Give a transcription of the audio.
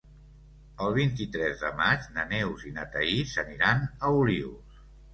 El vint-i-tres de maig na Neus i na Thaís aniran a Olius.